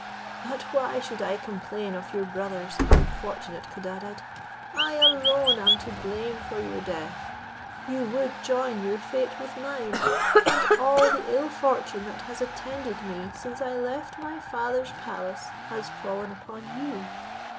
But why should I complain of your brothers, unfortunate Codadad! I alone am to blame for your death. You would join your fate with mine, and all the ill fortune that has attended me since I left my father's palace has fallen upon you.